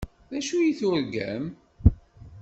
D acu i turgam?